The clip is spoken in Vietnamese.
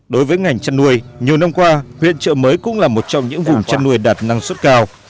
đối với ngành chăn nuôi nhiều năm qua huyện trợ mới cũng là một trong những vùng chăn nuôi đạt năng suất cao